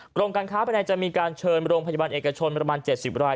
กรมการค้าภายในจะมีการเชิญโรงพยาบาลเอกชนประมาณ๗๐ราย